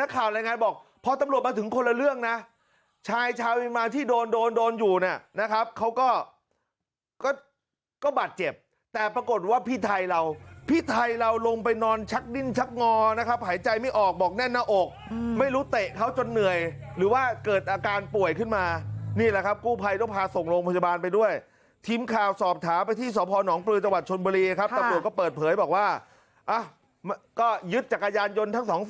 ก็บาดเจ็บแต่ปรากฏว่าพี่ไทยเราพี่ไทยเราลงไปนอนชักดิ้นชักงอนะครับหายใจไม่ออกบอกแน่นหน้าอกไม่รู้เตะเขาจนเหนื่อยหรือว่าเกิดอาการป่วยขึ้นมานี่แหละครับกู้ภัยต้องพาส่งโรงพยาบาลไปด้วยทีมข่าวสอบถามไปที่สหพนองปือจังหวัดชนบุรีครับตำรวจก็เปิดเผยบอกว่าก็ยึดจักรยานยนต์ทั้งสอง